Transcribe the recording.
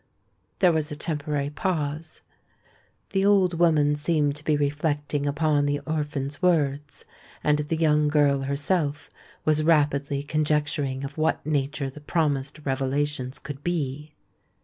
There was a temporary pause:—the old woman seemed to be reflecting upon the orphan's words; and the young girl herself was rapidly conjecturing of what nature the promised revelations could be.